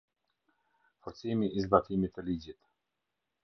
Forcimi i zbatimit të ligjit.